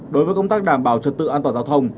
đối với công tác đảm bảo trật tự an toàn giao thông